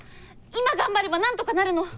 今頑張ればなんとかなるの！